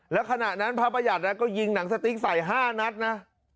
แล้วขณะนั้นพระประหยัดก็ยิงหนังสติ๊กใส่๕นัดนะ